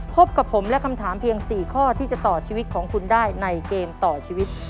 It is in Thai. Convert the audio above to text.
พบกับผมและคำถามเพียง๔ข้อที่จะต่อชีวิตของคุณได้ในเกมต่อชีวิต